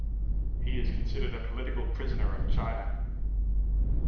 He is considered a political prisoner of China.